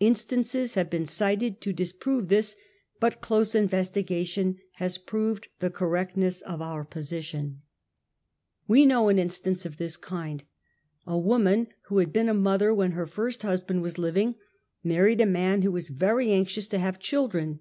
Instances have been cited to disprove this, but close investigation has proved the correctness of our poosition. SEMINAL WEAKNESS. 59 We know an instance of this kind. A woman who had been a mother when her first husband was living, married a man who was very anxious to have children.